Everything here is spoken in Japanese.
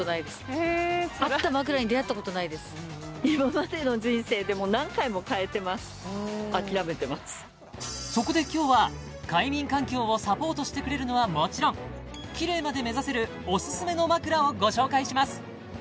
街の人にも聞いてみるとそこで今日は快眠環境をサポートしてくれるのはもちろんキレイまで目指せるオススメの枕をご紹介します